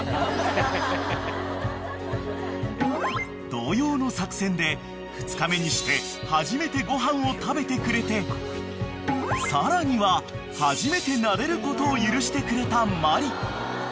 ［同様の作戦で２日目にして初めてごはんを食べてくれてさらには初めてなでることを許してくれたマリ］